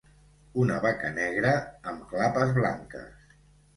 Una vaca negra amb clapes blanques.